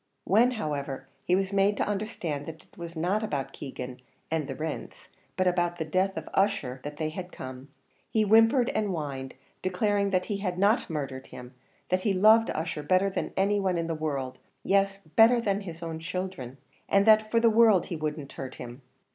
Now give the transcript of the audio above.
When, however, he was made to understand that it was not about Keegan and the rents, but about the death of Ussher that they had come, he whimpered and whined, declaring that he had not murdered him; that he loved Ussher better than any one in the world yes, better than his own children and that for the world he would not hurt him.